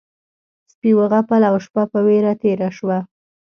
سپي وغپل او شپه په وېره تېره شوه.